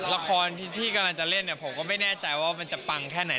ละครที่กำลังจะเล่นเนี่ยผมก็ไม่แน่ใจว่ามันจะปังแค่ไหน